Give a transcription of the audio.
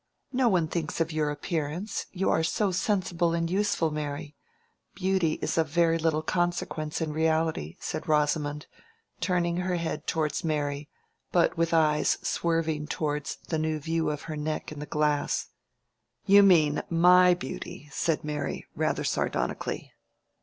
No one thinks of your appearance, you are so sensible and useful, Mary. Beauty is of very little consequence in reality," said Rosamond, turning her head towards Mary, but with eyes swerving towards the new view of her neck in the glass. "You mean my beauty," said Mary, rather sardonically.